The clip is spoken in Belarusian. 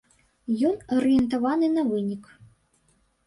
Ён арыентаваны на вынік.